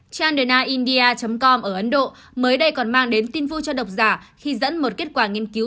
chanderna india com ở ấn độ mới đây còn mang đến tin vui cho độc giả khi dẫn một kết quả nghiên cứu